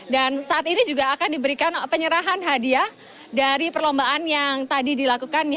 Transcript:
dan saat ini juga akan diberikan penyerahan hadiah dari perlombaan yang tadi dilakukan